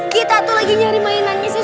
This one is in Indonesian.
kita tuh lagi nyari mainannya sih